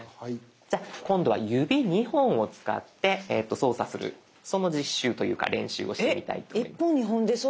じゃあ今度は指２本を使って操作するその実習というか練習をしてみたいと思います。